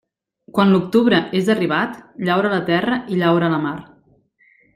Quan l'octubre és arribat, llaura la terra i llaura la mar.